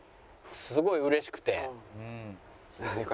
すごい嬉しくて。